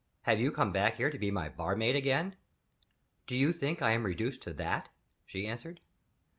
"Have you come back here to be my barmaid again?" "Do you think I am reduced to that?" she answered.